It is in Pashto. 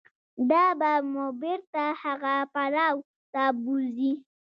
دا به مو بېرته هغه پړاو ته بوځي.